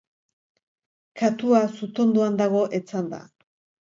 Katua sutondoan dago etzanda